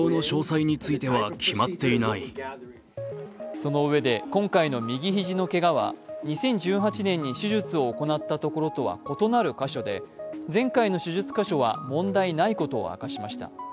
そのうえで今回の右肘のけがは２０１８年に手術を行ったところとは異なる箇所で、前回の手術箇所は問題ことを明かしました。